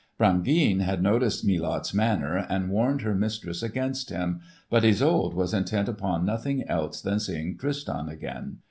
Brangeane had noticed Melot's manner and warned her mistress against him, but Isolde was intent upon nothing else than seeing Tristan again.